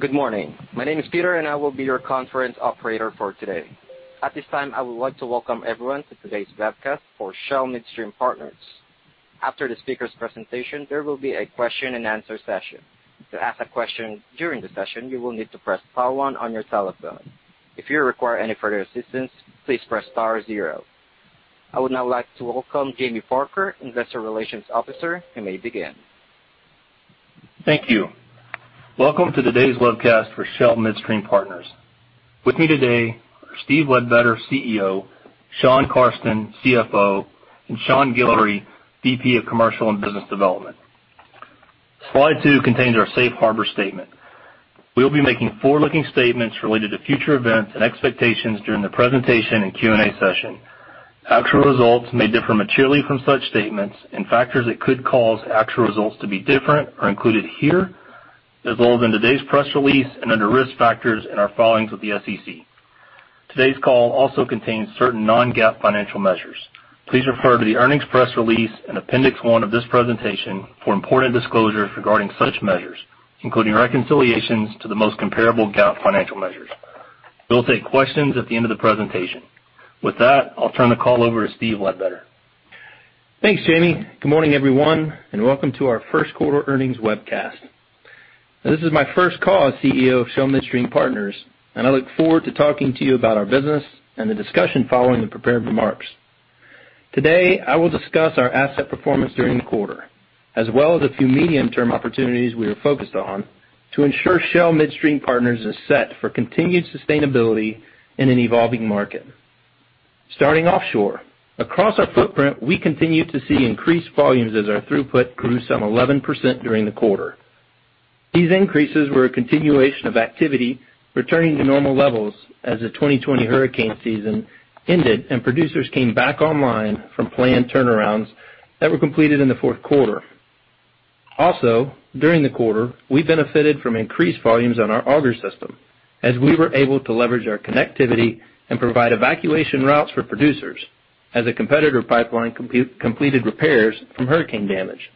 Good morning. My name is Peter, and I will be your conference operator for today. At this time, I would like to welcome everyone to today's webcast for Shell Midstream Partners. After the speaker's presentation, there will be a question-and-answer session. To ask a question during the session, you will need to press star one on your telephone. If you require any further assistance, please press star zero. I would now like to welcome Jamie Parker, Investor Relations Officer. You may begin. Thank you. Welcome to today's webcast for Shell Midstream Partners. With me today are Steve Ledbetter, CEO, Shawn Carsten, CFO, and Sean Guillory, VP of Commercial and Business Development. Slide two contains our safe harbor statement. We'll be making forward-looking statements related to future events and expectations during the presentation and Q and A session. Actual results may differ materially from such statements, and factors that could cause actual results to be different are included here, as well as in today's press release and under risk factors in our filings with the SEC. Today's call also contains certain non-GAAP financial measures. Please refer to the earnings press release and appendix one of this presentation for important disclosures regarding such measures, including reconciliations to the most comparable GAAP financial measures. We'll take questions at the end of the presentation. With that, I'll turn the call over to Steve Ledbetter. Thanks, Jamie. Good morning, everyone, and welcome to our first quarter earnings webcast. Now, this is my first call as CEO of Shell Midstream Partners, and I look forward to talking to you about our business and the discussion following the prepared remarks. Today, I will discuss our asset performance during the quarter, as well as a few medium-term opportunities we are focused on to ensure Shell Midstream Partners is set for continued sustainability in an evolving market. Starting offshore. Across our footprint, we continue to see increased volumes as our throughput grew some 11% during the quarter. These increases were a continuation of activity returning to normal levels as the 2020 hurricane season ended and producers came back online from planned turnarounds that were completed in the fourth quarter. Also, during the quarter, we benefited from increased volumes on our Auger system as we were able to leverage our connectivity and provide evacuation routes for producers as a competitor pipeline completed repairs from hurricane damage.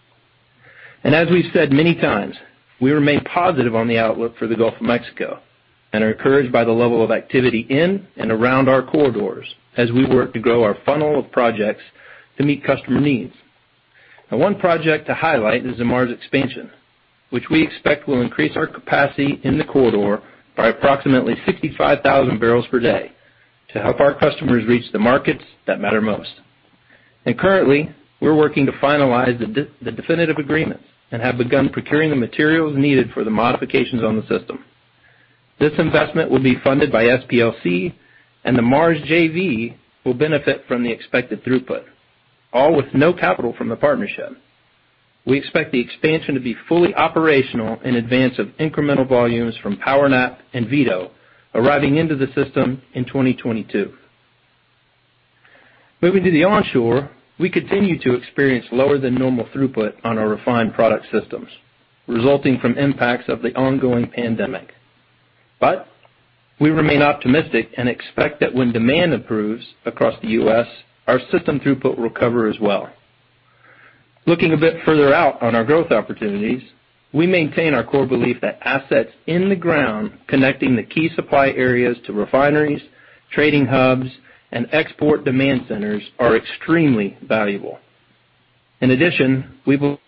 As we've said many times, we remain positive on the outlook for the Gulf of Mexico and are encouraged by the level of activity in and around our corridors as we work to grow our funnel of projects to meet customer needs. Now, one project to highlight is the Mars expansion, which we expect will increase our capacity in the corridor by approximately 65,000 barrels per day to help our customers reach the markets that matter most. Currently, we're working to finalize the definitive agreements and have begun procuring the materials needed for the modifications on the system. This investment will be funded by SPLC, and the Mars JV will benefit from the expected throughput, all with no capital from the partnership. We expect the expansion to be fully operational in advance of incremental volumes from PowerNap and Vito arriving into the system in 2022. Moving to the onshore, and export demand centers are extremely valuable. In addition, we believe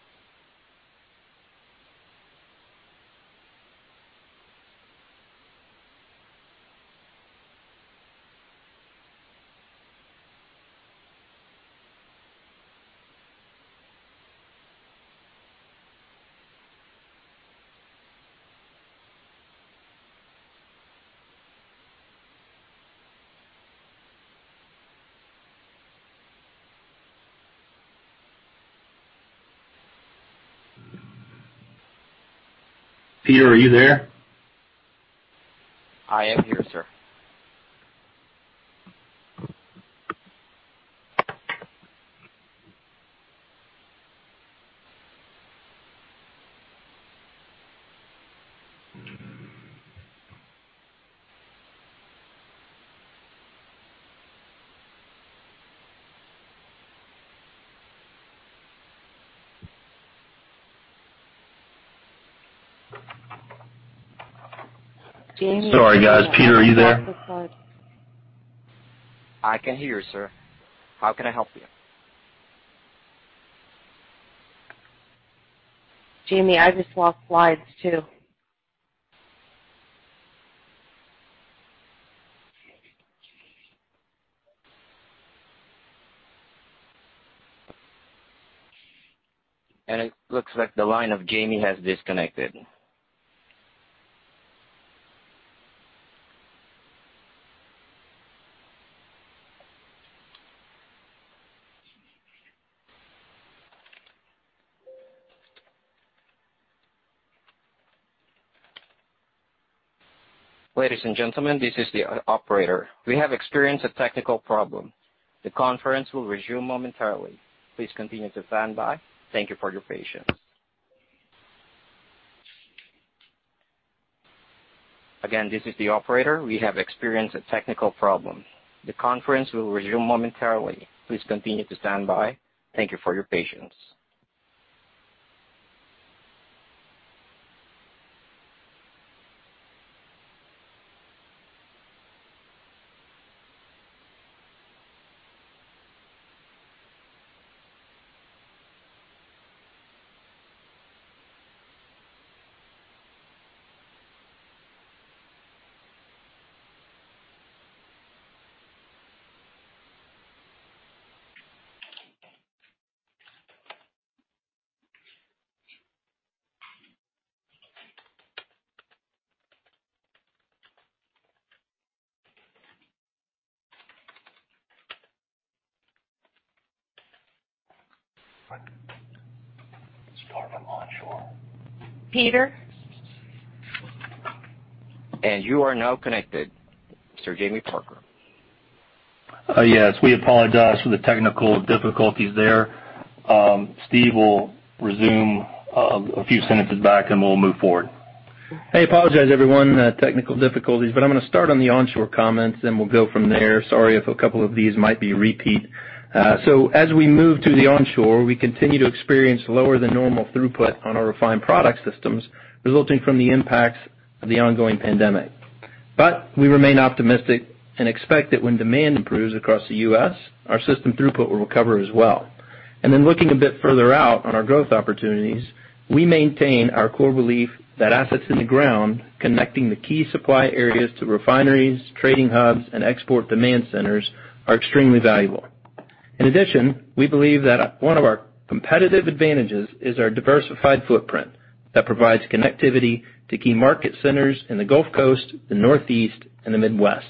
that one of our competitive advantages is our diversified footprint that provides connectivity to key market centers in the Gulf Coast, the Northeast, and the Midwest.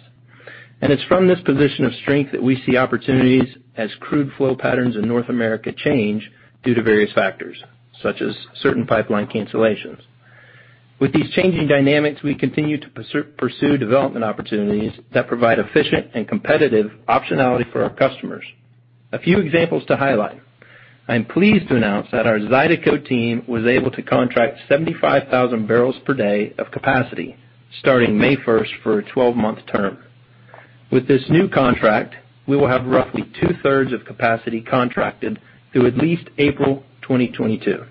It's from this position of strength that we see opportunities as crude flow patterns in North America change due to various factors, such as certain pipeline cancellations. With these changing dynamics, we continue to pursue development opportunities that provide efficient and competitive optionality for our customers. A few examples to highlight. I'm pleased to announce that our Zydeco team was able to contract 75,000 barrels per day of capacity starting May 1st for a 12-month term. With this new contract, we will have roughly two-thirds of capacity contracted through at least April 2022.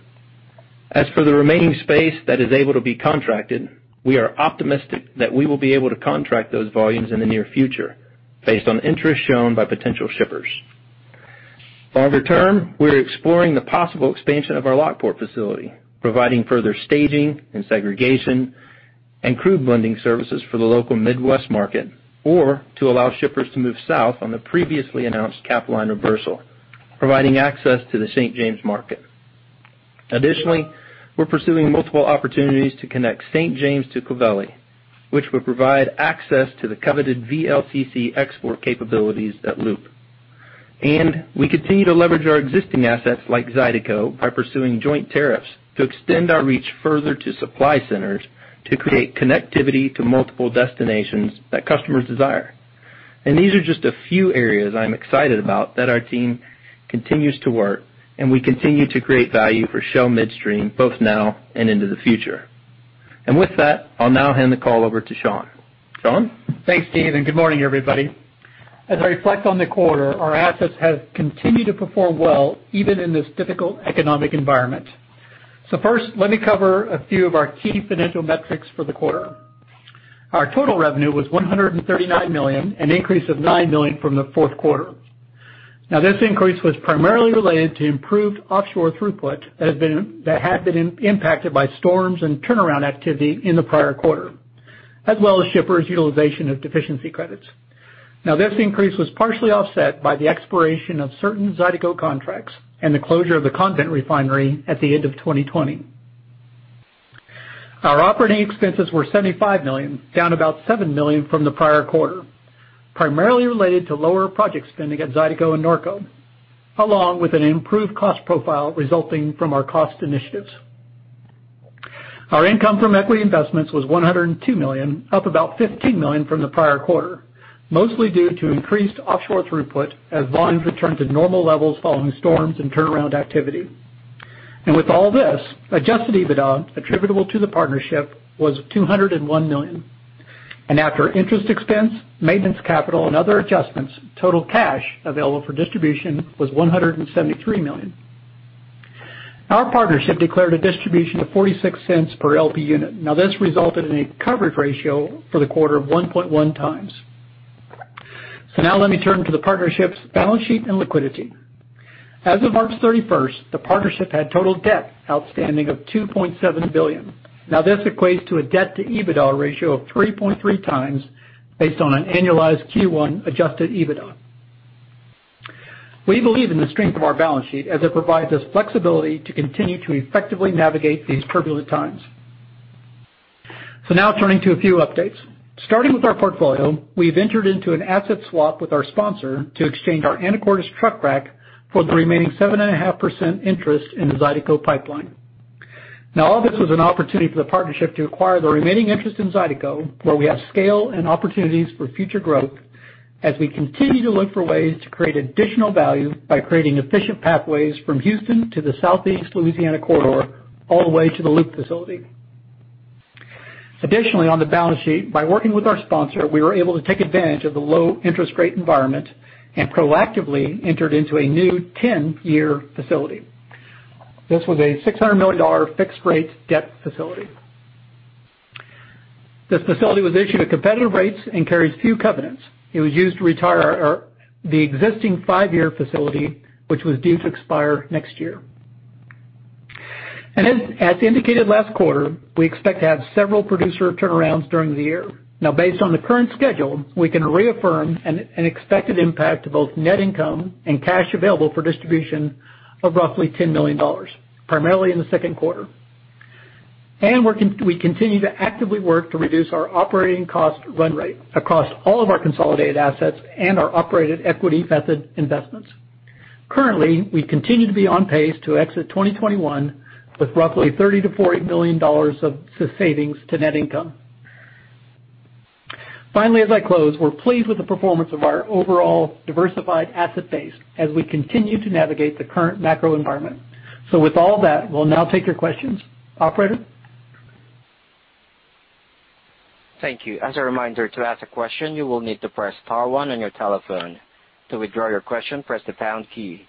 For the remaining space that is able to be contracted, we are optimistic that we will be able to contract those volumes in the near future based on interest shown by potential shippers. Longer term, we're exploring the possible expansion of our Lockport facility, providing further staging and segregation and crude blending services for the local Midwest market, or to allow shippers to move south on the previously announced Capline reversal, providing access to the St. James market. Additionally, we're pursuing multiple opportunities to connect St. James to Clovelly, which would provide access to the coveted VLCC export capabilities at LOOP. We continue to leverage our existing assets like Zydeco by pursuing joint tariffs to extend our reach further to supply centers to create connectivity to multiple destinations that customers desire. These are just a few areas I'm excited about that our team continues to work, and we continue to create value for Shell Midstream Partners, both now and into the future. With that, I'll now hand the call over to Shawn. Shawn? Thanks, Steve, good morning, everybody. As I reflect on the quarter, our assets have continued to perform well, even in this difficult economic environment. First, let me cover a few of our key financial metrics for the quarter. Our total revenue was $139 million, an increase of $9 million from the fourth quarter. This increase was primarily related to improved offshore throughput that had been impacted by storms and turnaround activity in the prior quarter, as well as shippers' utilization of deficiency credits. This increase was partially offset by the expiration of certain Zydeco contracts and the closure of the Convent refinery at the end of 2020. Our operating expenses were $75 million, down about $7 million from the prior quarter, primarily related to lower project spending at Zydeco and Norco, along with an improved cost profile resulting from our cost initiatives. Our income from equity investments was $102 million, up about $15 million from the prior quarter, mostly due to increased offshore throughput as volumes return to normal levels following storms and turnaround activity. With all this, Adjusted EBITDA attributable to the partnership was $201 million. After interest expense, maintenance capital, and other adjustments, total cash available for distribution was $173 million. Our partnership declared a distribution of $0.46 per LP unit. This resulted in a coverage ratio for the quarter of 1.1 times. Now let me turn to the partnership's balance sheet and liquidity. As of March 31st, the partnership had total debt outstanding of $2.7 billion. This equates to a debt to EBITDA ratio of 3.3 times based on an annualized Q1 Adjusted EBITDA. We believe in the strength of our balance sheet as it provides us flexibility to continue to effectively navigate these turbulent times. Now turning to a few updates. Starting with our portfolio, we've entered into an asset swap with our sponsor to exchange our Anacortes truck rack for the remaining 7.5% interest in the Zydeco Pipeline. All this was an opportunity for the partnership to acquire the remaining interest in Zydeco, where we have scale and opportunities for future growth. As we continue to look for ways to create additional value by creating efficient pathways from Houston to the Southeast Louisiana corridor, all the way to the LOOP facility. Additionally, on the balance sheet, by working with our sponsor, we were able to take advantage of the low interest rate environment and proactively entered into a new 10-year facility. This was a $600 million fixed rate debt facility. This facility was issued at competitive rates and carries few covenants. It was used to retire the existing five-year facility, which was due to expire next year. As indicated last quarter, we expect to have several producer turnarounds during the year. Based on the current schedule, we can reaffirm an expected impact to both net income and cash available for distribution of roughly $10 million, primarily in the second quarter. We continue to actively work to reduce our operating cost run rate across all of our consolidated assets and our operated equity method investments. Currently, we continue to be on pace to exit 2021 with roughly $30 million-$40 million of savings to net income. Finally, as I close, we're pleased with the performance of our overall diversified asset base as we continue to navigate the current macro environment. With all that, we'll now take your questions. Operator? Thank you. As a reminder, to ask a question, you will need to press star one on your telephone. To withdraw your question, press the pound key.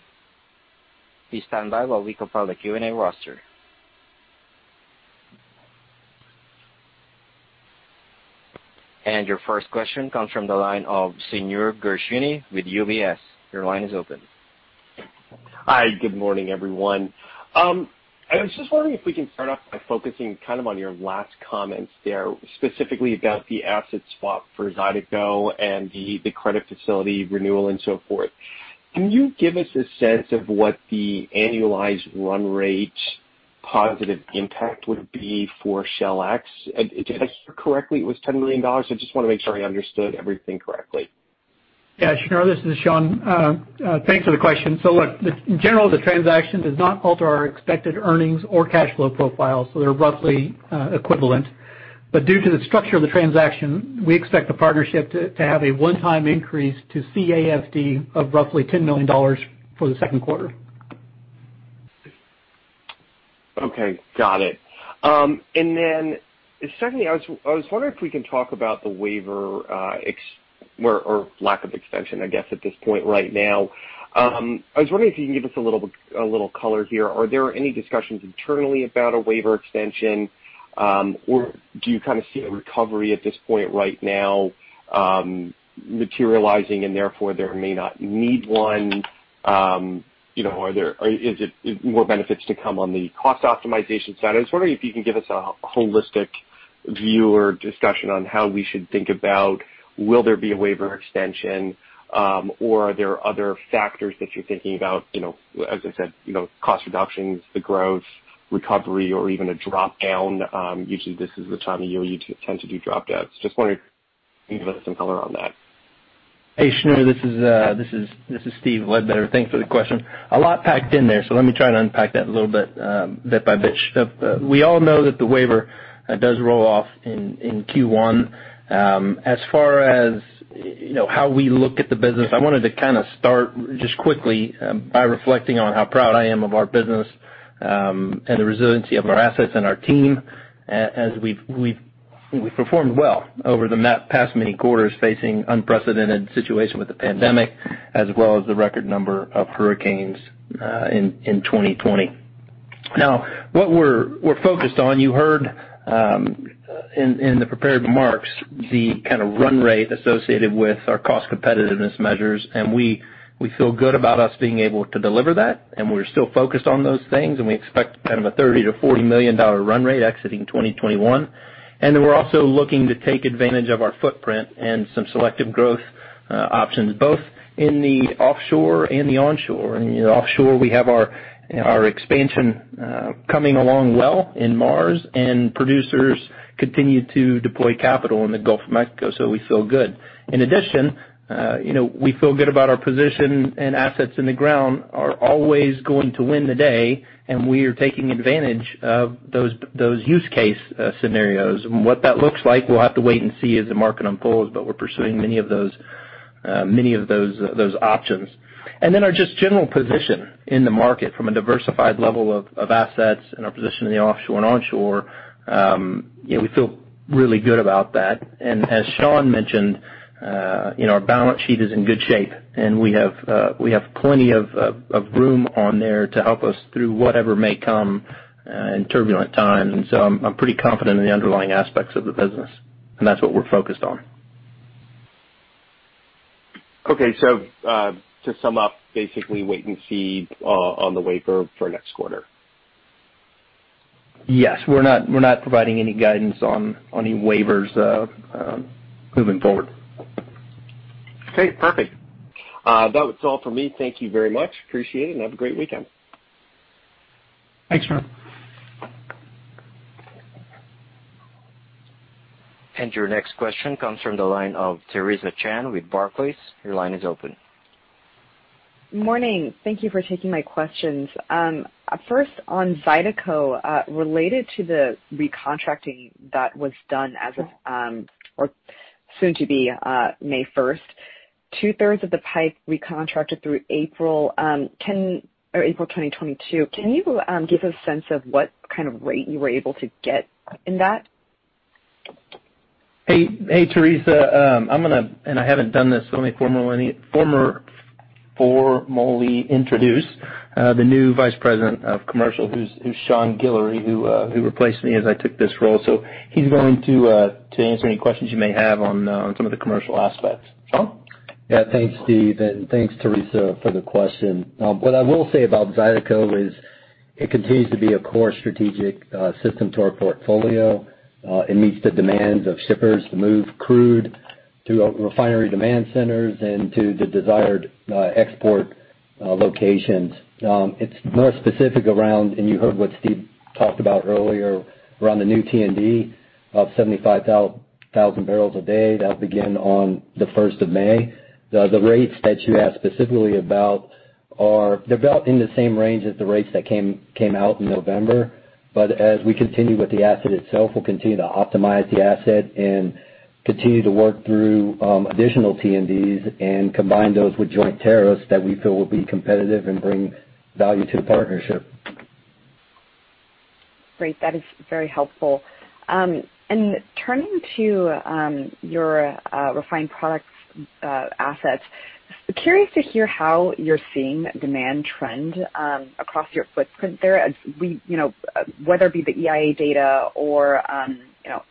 Please stand by while we compile the Q and A roster. Your first question comes from the line of Shneur Gershuni with UBS. Your line is open. Hi, good morning, everyone. I was just wondering if we can start off by focusing on your last comments there, specifically about the asset swap for Zydeco and the credit facility renewal and so forth. Can you give us a sense of what the annualized run rate positive impact would be for SHLX? Did I hear correctly it was $10 million? I just want to make sure I understood everything correctly. Yeah, Shneur, this is Shawn. Thanks for the question. Look, in general, the transaction does not alter our expected earnings or cash flow profile, so they're roughly equivalent. Due to the structure of the transaction, we expect the partnership to have a one-time increase to CAFD of roughly $10 million for the second quarter. Okay. Got it. Secondly, I was wondering if we can talk about the waiver, or lack of extension, I guess, at this point right now. I was wondering if you can give us a little color here. Are there any discussions internally about a waiver extension? Do you kind of see a recovery at this point right now materializing and therefore there may not need one? Are there more benefits to come on the cost optimization side? I was wondering if you can give us a holistic view or discussion on how we should think about will there be a waiver extension, or are there other factors that you're thinking about, as I said, cost reductions, the growth, recovery, or even a drop down. Usually this is the time of year you tend to do drop downs. Just wondering if you can give us some color on that. Hey, Shneur, this is Steve Ledbetter. Thanks for the question. A lot packed in there, so let me try to unpack that a little bit by bit. We all know that the waiver does roll off in Q1. As far as how we look at the business, I wanted to start just quickly by reflecting on how proud I am of our business, and the resiliency of our assets and our team, as we've performed well over the past many quarters, facing unprecedented situation with the pandemic as well as the record number of hurricanes in 2020. Now what we're focused on, you heard in the prepared remarks, the kind of run rate associated with our cost competitiveness measures, and we feel good about us being able to deliver that, and we're still focused on those things, and we expect a $30 million to $40 million run rate exiting 2021. We're also looking to take advantage of our footprint and some selective growth options, both in the offshore and the onshore. In the offshore, we have our expansion coming along well in Mars, and producers continue to deploy capital in the Gulf of Mexico, so we feel good. In addition, we feel good about our position and assets in the ground are always going to win the day, and we are taking advantage of those use case scenarios. What that looks like, we'll have to wait and see as the market unfolds, but we're pursuing many of those options. Our just general position in the market from a diversified level of assets and our position in the offshore and onshore, we feel really good about that. As Shawn mentioned, our balance sheet is in good shape, and we have plenty of room on there to help us through whatever may come in turbulent times. I'm pretty confident in the underlying aspects of the business, and that's what we're focused on. Okay. To sum up, basically wait and see on the waiver for next quarter. Yes. We're not providing any guidance on any waivers moving forward. Okay, perfect. That was all for me. Thank you very much. Appreciate it, and have a great weekend. Thanks, Shneur. Your next question comes from the line of Theresa Chen with Barclays. Your line is open. Morning. Thank you for taking my questions. First, on Zydeco, related to the recontracting that was done as of or soon to be May 1st, two-thirds of the pipe recontracted through April 2022. Can you give a sense of what kind of rate you were able to get in that? Hey, Theresa. I'm going to, and I haven't done this, formally introduce the new Vice President of Commercial, who's Sean Guillory, who replaced me as I took this role. He's going to answer any questions you may have on some of the commercial aspects. Sean? Thanks, Steve, and thanks, Theresa, for the question. What I will say about Zydeco is it continues to be a core strategic system to our portfolio. It meets the demands of shippers to move crude to refinery demand centers and to the desired export locations. It's more specific around, and you heard what Steve talked about earlier around the new TSA of 75,000 barrels a day. That will begin on the 1st of May. The rates that you asked specifically about are about in the same range as the rates that came out in November. As we continue with the asset itself, we'll continue to optimize the asset and continue to work through additional TSAs and combine those with joint tariffs that we feel will be competitive and bring value to the partnership. Great. That is very helpful. Turning to your refined products assets, curious to hear how you're seeing demand trend across your footprint there. Whether it be the EIA data or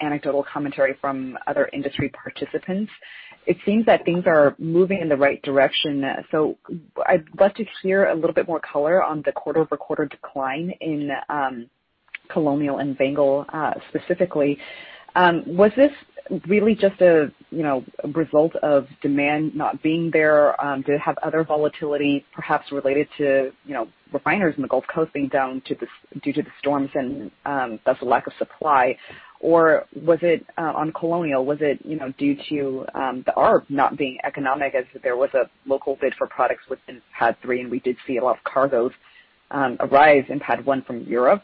anecdotal commentary from other industry participants, it seems that things are moving in the right direction. I'd love to hear a little bit more color on the quarter-over-quarter decline in Colonial and Bengal specifically. Was this really just a result of demand not being there? Did it have other volatility perhaps related to refiners in the Gulf Coast being down due to the storms, and thus a lack of supply? On Colonial, was it due to the ARB not being economic as there was a local bid for products within PADD 3, and we did see a lot of cargoes arrive in PADD 1 from Europe?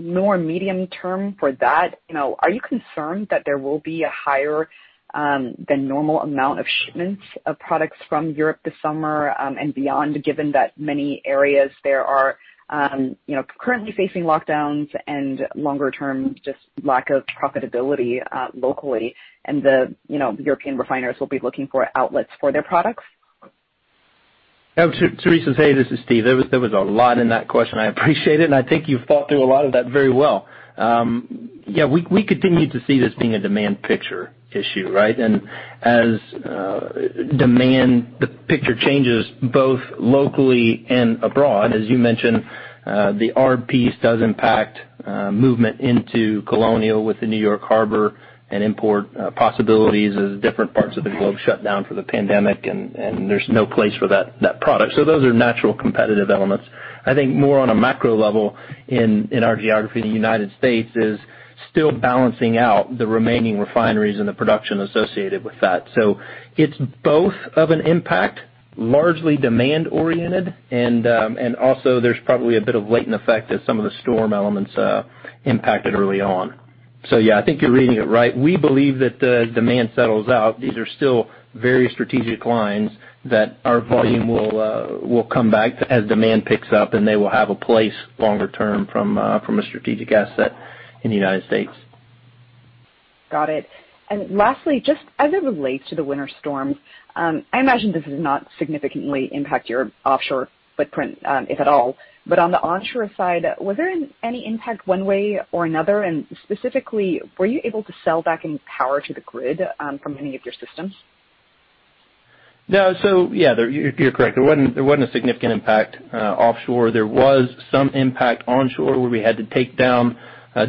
More medium-term for that, are you concerned that there will be a higher than normal amount of shipments of products from Europe this summer and beyond, given that many areas there are currently facing lockdowns and longer-term just lack of profitability locally, and the European refiners will be looking for outlets for their products? Theresa, hey, this is Steve. There was a lot in that question. I appreciate it, and I think you thought through a lot of that very well. Yeah, we continue to see this being a demand picture issue, right? As the picture changes both locally and abroad, as you mentioned, the ARB piece does impact movement into Colonial with the New York Harbor and import possibilities as different parts of the globe shut down for the pandemic, and there's no place for that product. Those are natural competitive elements. I think more on a macro level in our geography in the United States is still balancing out the remaining refineries and the production associated with that. It's both of an impact, largely demand oriented, and also there's probably a bit of latent effect as some of the storm elements impacted early on. Yeah, I think you're reading it right. We believe that the demand settles out. These are still very strategic lines that our volume will come back to as demand picks up, and they will have a place longer term from a strategic asset in the U.S. Got it. Lastly, just as it relates to the winter storms, I imagine this does not significantly impact your offshore footprint, if at all. On the onshore side, was there any impact one way or another? Specifically, were you able to sell back any power to the grid from any of your systems? No. Yeah, you're correct. There wasn't a significant impact offshore. There was some impact onshore where we had to take down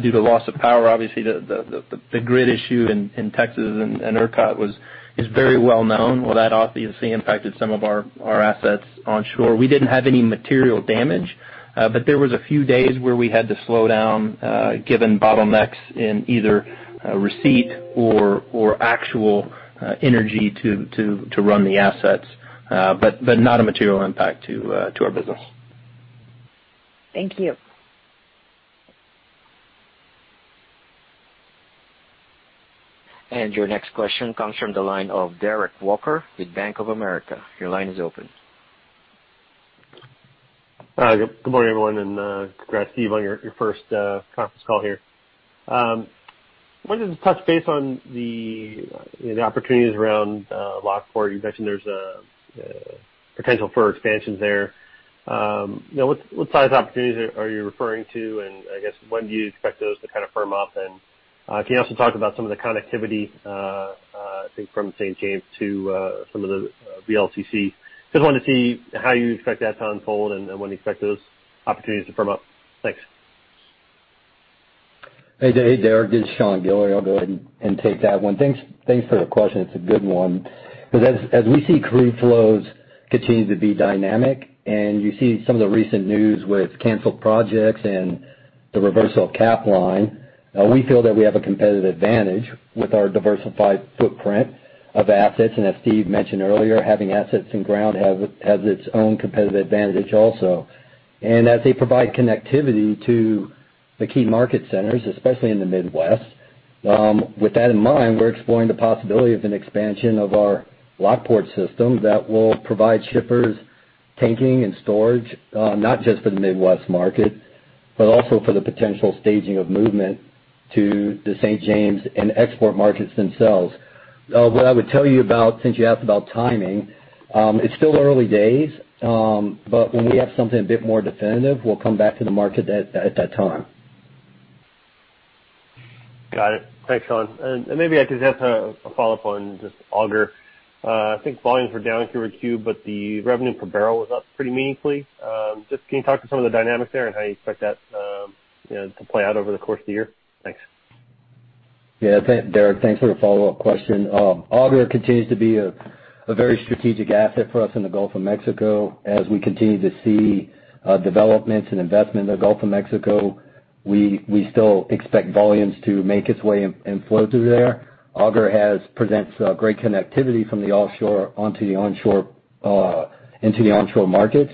due to loss of power. Obviously, the grid issue in Texas and ERCOT is very well known. That obviously impacted some of our assets onshore. We didn't have any material damage, but there was a few days where we had to slow down given bottlenecks in either receipt or actual energy to run the assets. Not a material impact to our business. Thank you. Your next question comes from the line of Derek Walker with Bank of America. Your line is open. Good morning, everyone. Congrats, Steve, on your first conference call here. Wanted to touch base on the opportunities around Clovelly business. You mentioned there's a potential for expansions there. What size opportunities are you referring to, and I guess when do you expect those to kind of firm up? Can you also talk about some of the connectivity, I think, from St. James to some of the VLCC? Just wanted to see how you expect that to unfold and when you expect those opportunities to firm up. Thanks. Hey, Derek. It's Sean Guillory. I'll go ahead and take that one. Thanks for the question. It's a good one. As we see crude flows continue to be dynamic, and you see some of the recent news with canceled projects and the reversal of Capline. We feel that we have a competitive advantage with our diversified footprint of assets. As Steve mentioned earlier, having assets in ground has its own competitive advantage also. As they provide connectivity to the key market centers, especially in the Midwest. With that in mind, we're exploring the possibility of an expansion of our Lockport system that will provide shippers tanking and storage, not just for the Midwest market, but also for the potential staging of movement to the St. James and export markets themselves. What I would tell you about, since you asked about timing, it's still early days, but when we have something a bit more definitive, we'll come back to the market at that time. Got it. Thanks, Sean. Maybe I could just follow-up on just Auger. I think volumes were down Q-over-Q, but the revenue per barrel was up pretty meaningfully. Just can you talk to some of the dynamics there and how you expect that to play out over the course of the year? Thanks. Derek, thanks for the follow-up question. Auger continues to be a very strategic asset for us in the Gulf of Mexico. As we continue to see developments and investment in the Gulf of Mexico, we still expect volumes to make its way and flow through there. Auger presents great connectivity from the offshore into the onshore markets,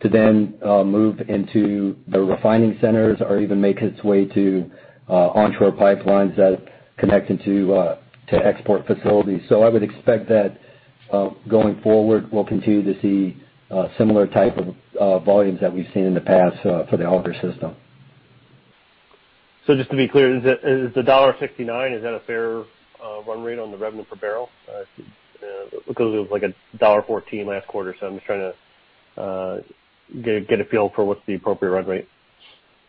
to then move into the refining centers or even make its way to onshore pipelines that connect into export facilities. I would expect that going forward, we'll continue to see similar type of volumes that we've seen in the past for the Auger system. Just to be clear, is the $1.69, is that a fair run rate on the revenue per barrel? It was like $1.14 last quarter. I'm just trying to get a feel for what's the appropriate run rate.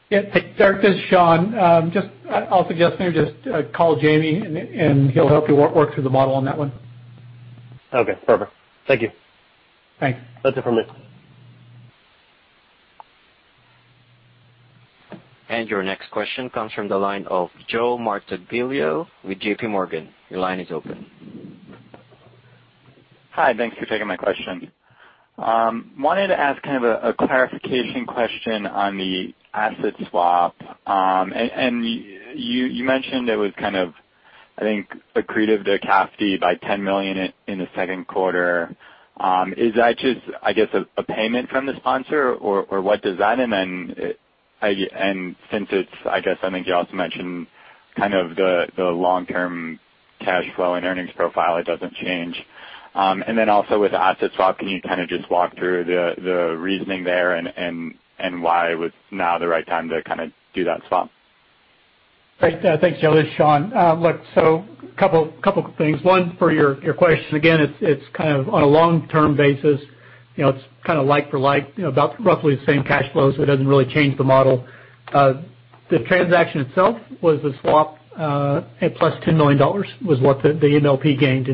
Yeah. Hey, Derek, this is Shawn. I'll suggest maybe just call Jamie and he'll help you work through the model on that one. Okay, perfect. Thank you. Thanks. That's it for me. Your next question comes from the line of Joe Martoglio with JPMorgan. Your line is open. Hi, thanks for taking my question. Wanted to ask kind of a clarification question on the asset swap. You mentioned it was kind of, I think, accretive to CAFD by $10 million in the second quarter. Is that just, I guess, a payment from the sponsor or since it's, I guess, I think you also mentioned kind of the long-term cash flow and earnings profile, it doesn't change? Then also with asset swap, can you kind of just walk through the reasoning there and why it was now the right time to kind of do that swap? Great. Thanks, Joe. This is Shawn. Couple things. One, per your question, again, it's kind of on a long-term basis. It's kind of like for like, about roughly the same cash flow, so it doesn't really change the model. The transaction itself was a swap at plus $10 million, was what the MLP gained.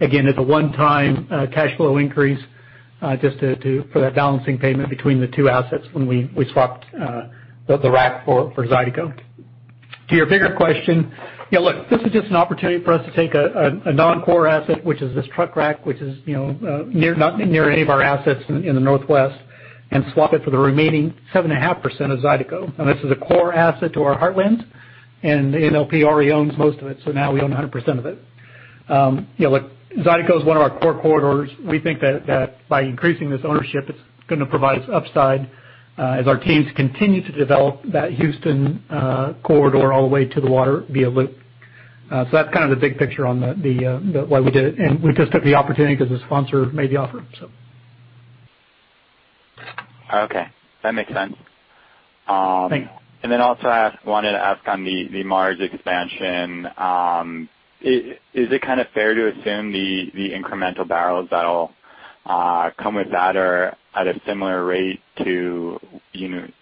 Again, it's a one-time cash flow increase, just for that balancing payment between the two assets when we swapped the rack for Zydeco. To your bigger question, this is just an opportunity for us to take a non-core asset, which is this truck rack, which is not near any of our assets in the Northwest, and swap it for the remaining 7.5% of Zydeco. This is a core asset to our heartland, and the MLP already owns most of it, so now we own 100% of it. Zydeco is one of our core corridors. We think that by increasing this ownership, it's going to provide us upside as our teams continue to develop that Houston corridor all the way to the water via LOOP. That's kind of the big picture on why we did it, and we just took the opportunity because the sponsor made the offer. Okay. That makes sense. Thanks. Also I wanted to ask on the Mars expansion. Is it kind of fair to assume the incremental barrels that'll come with that are at a similar rate to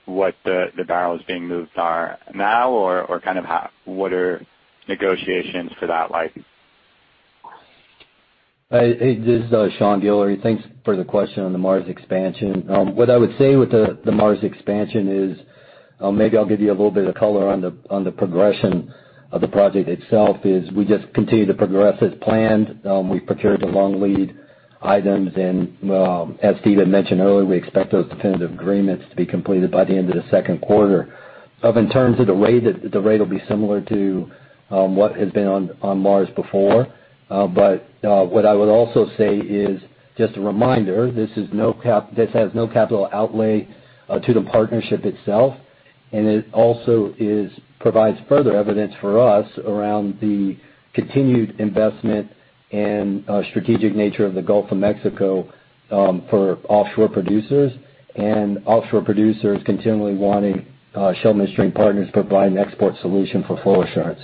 what the barrels being moved are now? Kind of what are negotiations for that like? Hey, this is Sean Guillory. Thanks for the question on the Mars expansion. What I would say with the Mars expansion is, maybe I'll give you a little bit of color on the progression of the project itself, is we just continue to progress as planned. We've procured the long lead items and as Steve had mentioned earlier, we expect those definitive agreements to be completed by the end of the second quarter. In terms of the rate, the rate will be similar to what has been on Mars before. What I would also say is, just a reminder, this has no capital outlay to the partnership itself, and it also provides further evidence for us around the continued investment and strategic nature of the Gulf of Mexico for offshore producers, and offshore producers continually wanting Shell Midstream Partners to provide an export solution for full assurance.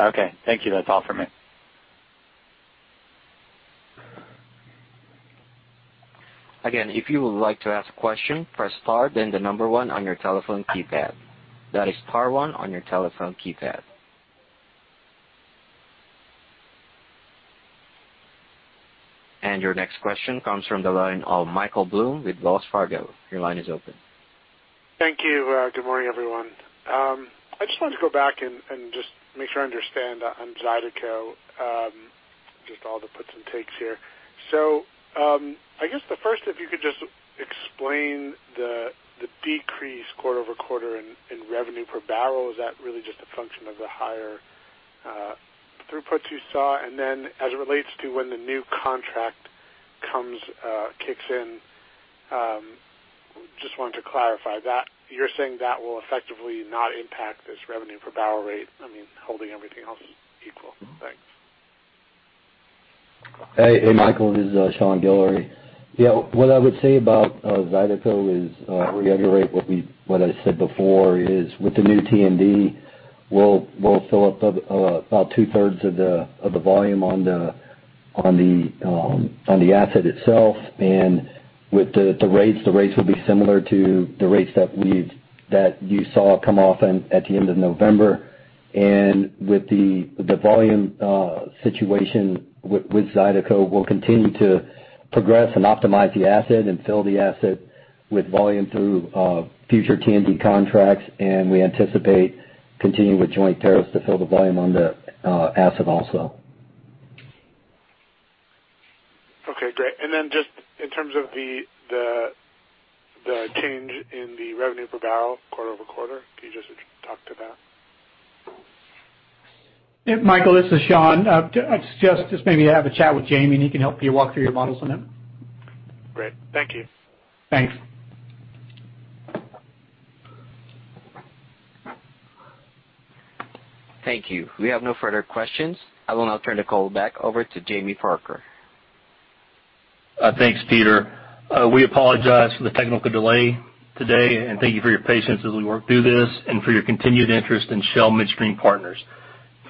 Okay. Thank you. That's all for me. If you would like to ask a question, press star then the number one on your telephone keypad. That is star one on your telephone keypad. Your next question comes from the line of Michael Blum with Wells Fargo. Your line is open. Thank you. Good morning, everyone. I just wanted to go back and just make sure I understand on Zydeco. Just all the puts and takes here. I guess the first, if you could just explain the decrease quarter-over-quarter in revenue per barrel. Is that really just a function of the higher throughputs you saw? As it relates to when the new contract kicks in, just wanted to clarify that you're saying that will effectively not impact this revenue per barrel rate, holding everything else equal? Thanks. Hey, Michael, this is Sean Guillory. Yeah, what I would say about Zydeco is, reiterate what I said before, is with the new TSA, we'll fill up about two-thirds of the volume on the asset itself. With the rates, the rates will be similar to the rates that you saw come off at the end of November. With the volume situation with Zydeco, we'll continue to progress and optimize the asset and fill the asset with volume through future TSA contracts, and we anticipate continuing with joint tariffs to fill the volume on the asset also. Okay, great. Then just in terms of the change in the revenue per barrel quarter-over-quarter, can you just talk to that? Michael, this is Shawn. I suggest just maybe have a chat with Jamie, and he can help you walk through your models on it. Great. Thank you. Thanks. Thank you. We have no further questions. I will now turn the call back over to Jamie Parker. Thanks, Peter. We apologize for the technical delay today, and thank you for your patience as we work through this and for your continued interest in Shell Midstream Partners.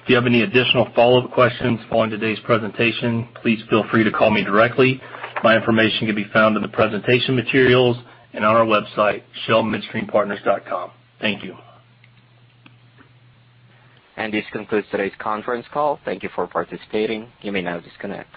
If you have any additional follow-up questions following today's presentation, please feel free to call me directly. My information can be found in the presentation materials and on our website, shellmidstreampartners.com. Thank you. This concludes today's conference call. Thank you for participating. You may now disconnect.